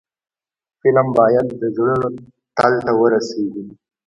فلم باید د زړونو تل ته ورسیږي